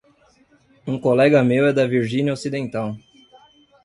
Um colega meu é da Virgínia Ocidental.